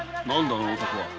あの男は？